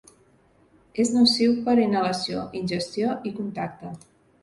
És nociu per inhalació, ingestió i contacte.